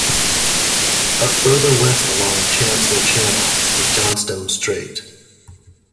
A further west along Chancellor Channel is Johnstone Strait.